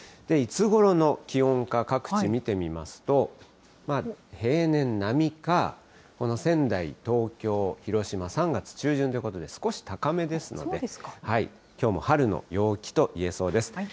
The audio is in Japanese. いつごろの気温か、各地見てみますと、平年並みか、この仙台、東京、広島、３月中旬ということで少し高めですので、きょうも春の陽気といえそうです。